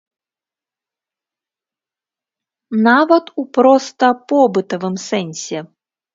Нават у проста побытавым сэнсе.